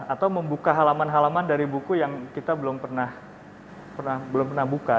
atau membuka halaman halaman dari buku yang kita belum pernah buka